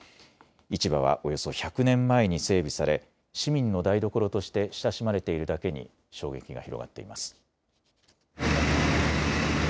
市場はおよそ１００年前に整備され市民の台所として親しまれているだけに衝撃が広がっています。